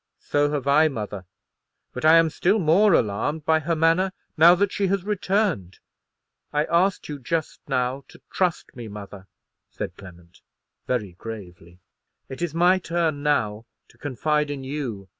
"So have I, mother; but I am still more alarmed by her manner, now that she has returned. I asked you just now to trust me, mother," said Clement, very gravely. "It is my turn now to confide in you.